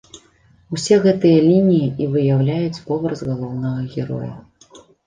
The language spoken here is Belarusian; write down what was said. Усе гэтыя лініі і выяўляюць вобраз галоўнага героя.